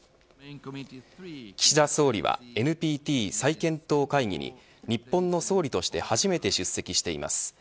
岸田総理は、ＮＰＴ再検討会議に日本の総理として初めて出席しています。